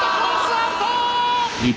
アウト！